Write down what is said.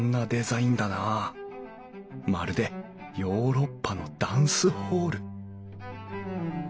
まるでヨーロッパのダンスホール！